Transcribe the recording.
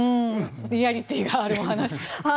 リアリティーがあるお話。